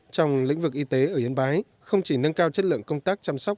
trong lĩnh vực y tế ở yên bái không chỉ nâng cao chất lượng công tác chăm sóc